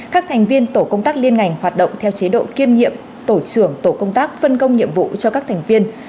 các thành viên tổ công tác liên ngành hoạt động theo chế độ kiêm nhiệm tổ trưởng tổ công tác phân công nhiệm vụ cho các thành viên